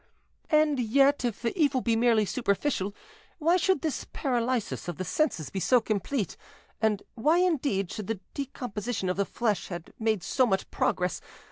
"And yet, if the evil be merely superficial, why should this paralysis of the senses be so complete, and why indeed should the decomposition of the flesh have made so much progress?